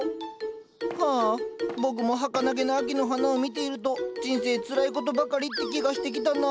ハア僕も儚げな秋の花を見ていると人生つらいことばかりって気がしてきたな。